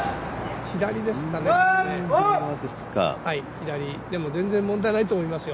左、でも全然問題ないと思いますよ。